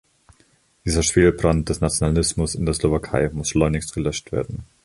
Dieser Schwelbrand des Nationalismus in der Slowakei muss schleunigst gelöscht werden.